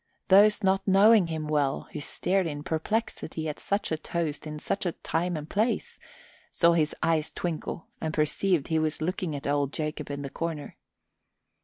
Those not knowing him well, who stared in perplexity at such a toast in such a place and time, saw his eyes twinkle and perceived he was looking at old Jacob in the corner.